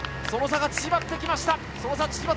その差が縮まってきました。